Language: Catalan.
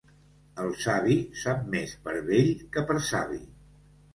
El savi sap més per vell que per savi.